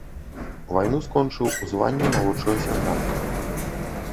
Вайну скончыў у званні малодшага сяржанта.